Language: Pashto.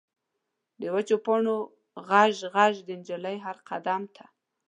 د وچو پاڼو غژ، غژ، د نجلۍ هر قدم ته